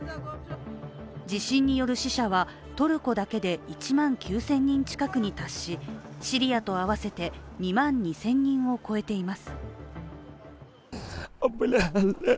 地震による死者はトルコだけで１万９０００人近くに達しシリアと合わせて２万２０００人を超えています。